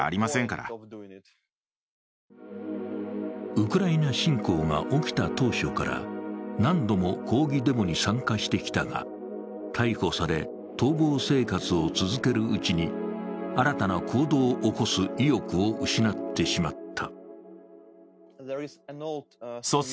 ウクライナ侵攻が起きた当初から何度も抗議デモに参加してきたが、逮捕され、逃亡生活を続けるうちに、新たな行動を起こす意欲を失ってしまった。